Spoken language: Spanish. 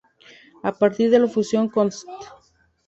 A partir de la fusión con St.